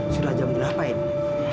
sudah jam berapa ini